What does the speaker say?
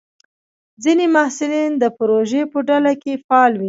ځینې محصلین د پروژې په ډله کې فعال وي.